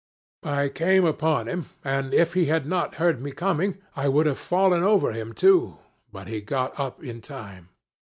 "I came upon him, and, if he had not heard me coming, I would have fallen over him too, but he got up in time.